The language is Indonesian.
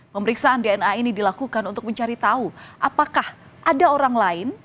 pemeriksaan dna ini dilakukan untuk mencari tahu apakah ada orang lain